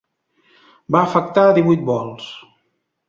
Va afectar divuit vols.